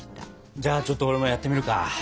じゃあちょっと俺もやってみるか。